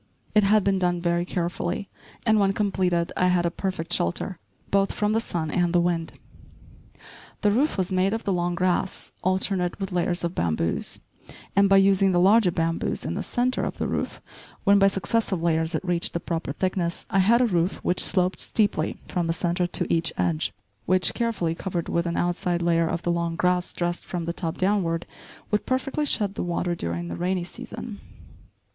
It had been done very carefully, and, when completed, I had a perfect shelter, both from the sun and the wind. The roof was made of the long grass, alternate with layers of bamboos; and by using the larger bamboos in the centre of the roof, when by successive layers it reached the proper thickness, I had a roof which sloped steeply from the centre to each edge, which, carefully covered with an outside layer of the long grass dressed from the top downward, would perfectly shed the water during the rainy season.